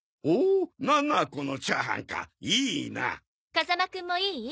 風間くんもいい？